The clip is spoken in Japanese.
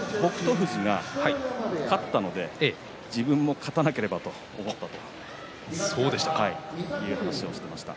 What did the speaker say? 富士が勝ったので自分も勝たなければと思ったと言っていました。